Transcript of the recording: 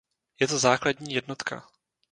Je to základní jednotka.